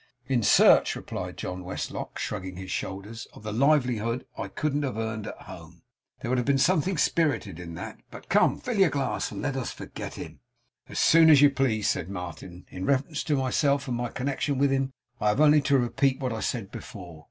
'In search,' replied John Westlock, shrugging his shoulders, 'of the livelihood I couldn't have earned at home. There would have been something spirited in that. But, come! Fill your glass, and let us forget him.' 'As soon as you please,' said Martin. 'In reference to myself and my connection with him, I have only to repeat what I said before.